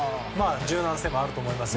柔軟性もあると思いますよ。